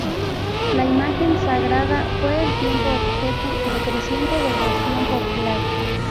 La imagen sagrada fue, con el tiempo, objeto de creciente devoción popular.